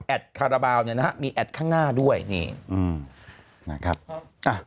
คาราบาลเนี่ยนะฮะมีแอดข้างหน้าด้วยนี่อืมนะครับอ่ะ